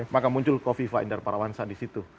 maka muncul kofifah indar parawansa disitu